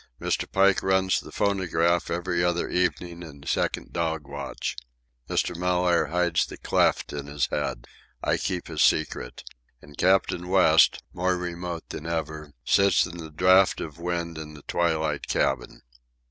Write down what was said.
Mr. Pike runs the phonograph every other evening in the second dog watch. Mr. Mellaire hides the cleft in his head. I keep his secret. And Captain West, more remote than ever, sits in the draught of wind in the twilight cabin.